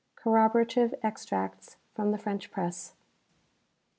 CORROBORATIVE EXTRACTS FROM THE FRENCH PRESS.